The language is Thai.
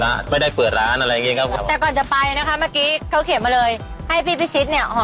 นั่นแหละเพราะเป็นคนพูดน้อยอะ